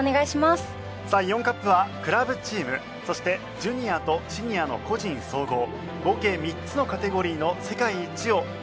さあイオンカップはクラブチームそしてジュニアとシニアの個人総合合計３つのカテゴリーの世界一を競う大会です。